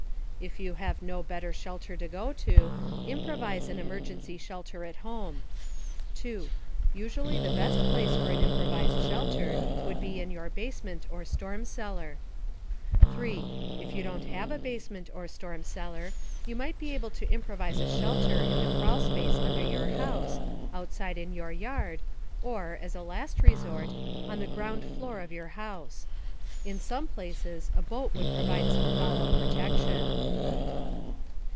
If you have no better shelter to go to, improvise an emergency shelter at home. 2. Usually, the best place for an improvised shelter would be in your basement or storm cellar. 3. If you don't have a basement or storm cellar, you might be able to improvise a shelter in the crawl space under your house, outside in your yard, or (as a last resort) on the ground floor of your house. In some places, a boat would provide some fallout protection.